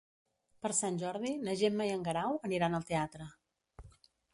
Per Sant Jordi na Gemma i en Guerau aniran al teatre.